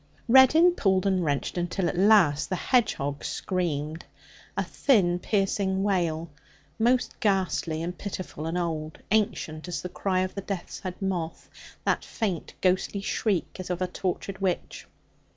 Reddin pulled and wrenched until at last the hedgehog screamed a thin, piercing wail, most ghastly and pitiful and old, ancient as the cry of the death's head moth, that faint ghostly shriek as of a tortured witch.